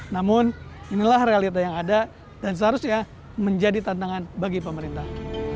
namun inilah realita yang ada dan seharusnya menjadi tantangan bagi pemerintah